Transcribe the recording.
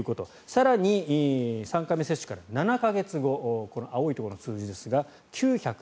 更に、３回目接種から７か月後青いところの数字ですが９７３。